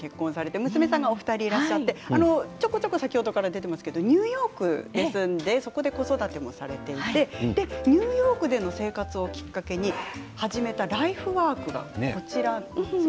松坂さん３７歳の時に結婚して娘さんが２人いらっしゃってちょこちょこ出ていますがニューヨークに住んでそこで子育てもされていてニューヨークでの生活をきっかけに始めたライフワークがこちらです。